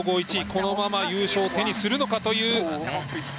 このまま優勝を手にするのかという。